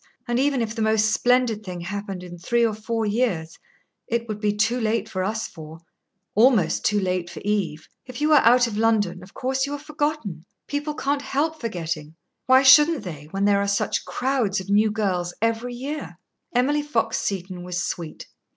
And even if the most splendid thing happened in three or four years, it would be too late for us four almost too late for Eve. If you are out of London, of course you are forgotten. People can't help forgetting. Why shouldn't they, when there are such crowds of new girls every year?" Emily Fox Seton was sweet.